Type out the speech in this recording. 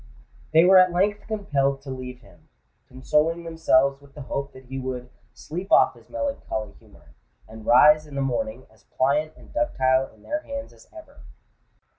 They were at length compelled to leave him—consoling themselves with the hope that he would "sleep off his melancholy humour," and rise in the morning as pliant and ductile in their hands as ever.